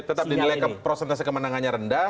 tetap dinilai prosentase kemenangannya rendah